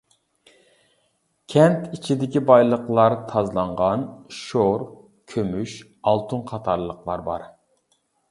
كەنت ئىچىدىكى بايلىقلار تازىلانغان شور، كۈمۈش، ئالتۇن قاتارلىقلار بار.